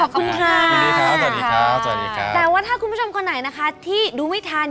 ขอบคุณค่ะสวัสดีครับสวัสดีครับสวัสดีครับแต่ว่าถ้าคุณผู้ชมคนไหนนะคะที่ดูไม่ทัน